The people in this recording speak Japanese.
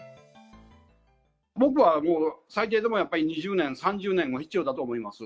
僕は最低でもやっぱり２０年、３０年は必要だと思います。